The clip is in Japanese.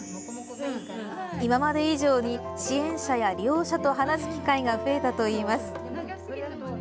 今まで以上に支援者や利用者と話す機会が増えたといいます。